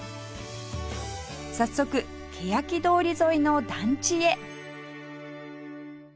早速けやき通り沿いの団地へ